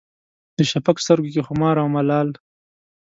د شفق سترګو کې خمار او ملال